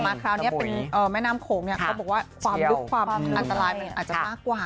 คราวนี้เป็นแม่น้ำโขงเนี่ยเขาบอกว่าความลึกความอันตรายมันอาจจะมากกว่า